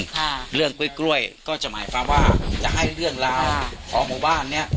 ค่ะเรื่องกล้วยกล้วยก็จะหมายความว่าจะให้เรื่องราวของหมู่บ้านเนี้ย